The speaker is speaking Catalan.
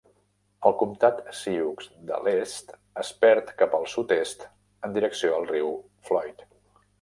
El Comtat Sioux de l 'Est es perd cap al sud-est en direcció al riu Floyd.